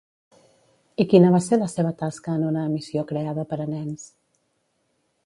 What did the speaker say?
I quina va ser la seva tasca en una emissió creada per a nens?